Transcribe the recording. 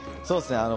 そうですね